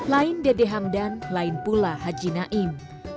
lain dede hamdan lain pula haji naim